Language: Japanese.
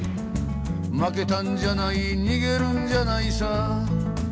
「負けたんじゃない逃げるんじゃないさ」